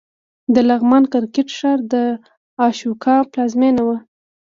د لغمان کرکټ ښار د اشوکا پلازمېنه وه